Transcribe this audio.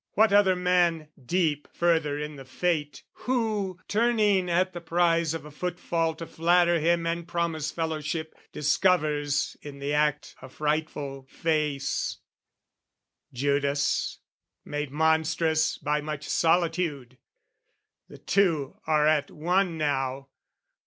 What other man deep further in the fate, Who, turning at the prize of a footfall To flatter him and promise fellowship, Discovers in the act a frightful face Judas, made monstrous by much solitude! The two are at one now!